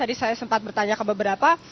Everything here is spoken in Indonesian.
tadi saya sempat bertanya ke beberapa